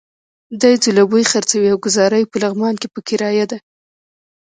دی ځلوبۍ خرڅوي او ګوزاره یې په لغمان کې په کرايه ده.